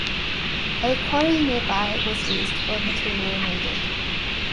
A quarry nearby was used for material needed.